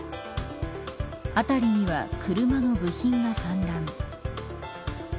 辺りには車の部品が散乱。